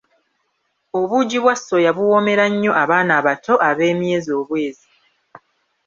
Obuugi bwa ssoya buwoomera nnyo abaana abato ab'emyezi obwezi.